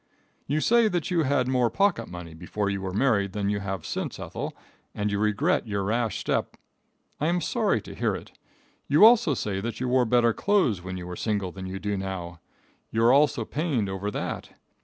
You say that you had more pocket money before you were married than you have since, Ethel, and you regret your rash step. I am sorry to hear it. You also say that you wore better clothes when you were single than you do now. You are also pained over that.